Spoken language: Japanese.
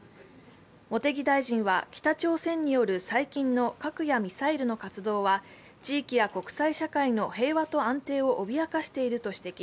茂木大臣は北朝鮮による最近の核やミサイルの活動は地域や国際社会の平和と安定を脅かしていると指摘。